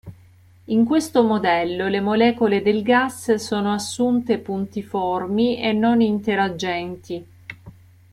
In questo modello le molecole del gas sono assunte puntiformi e non interagenti.